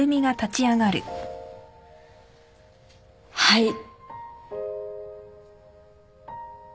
はい。